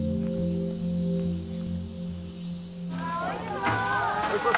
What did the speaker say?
・うわおいしそう。